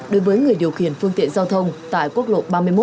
đối với người điều khiển phương tiện giao thông tại quốc lộ ba mươi một